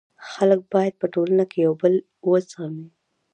خلک باید په ټولنه کي یو بل و زغمي.